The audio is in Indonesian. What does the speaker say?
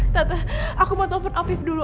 tante aku mau telfon afif dulu